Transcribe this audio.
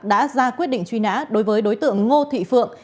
đã ra quyết định truy nã đối với đối tượng ngô thị phượng